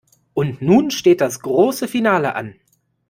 Und nun steht das große Finale an.